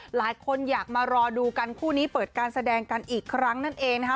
หลายคนอยากมารอดูกันคู่นี้เปิดการแสดงกันอีกครั้งนั่นเองนะคะ